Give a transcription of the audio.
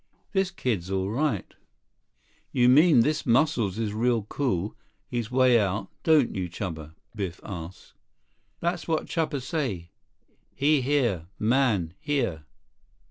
This kid's all right." "You mean this Muscles is real cool; he's way out, don't you, Chuba?" Biff asked. "That's what Chuba say. He here, man, here."